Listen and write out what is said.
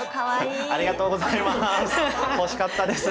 ありがとうございます。